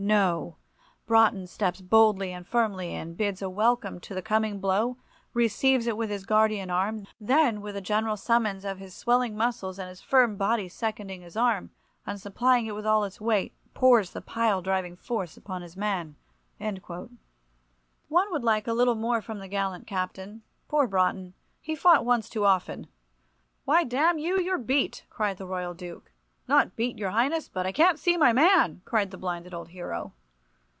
No! Broughton steps boldly and firmly in, bids a welcome to the coming blow; receives it with his guardian arm; then, with a general summons of his swelling muscles, and his firm body seconding his arm, and supplying it with all its weight, pours the pile driving force upon his man." One would like a little more from the gallant Captain. Poor Broughton! He fought once too often. "Why, damn you, you're beat!" cried the Royal Duke. "Not beat, your highness, but I can't see my man!" cried the blinded old hero.